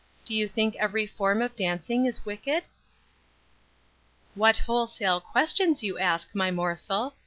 Do you think every form of dancing is wicked?" "What wholesale questions you ask, my morsel!